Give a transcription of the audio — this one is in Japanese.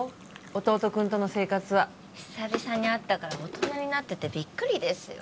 弟くんとの生活は久々に会ったから大人になっててビックリですよ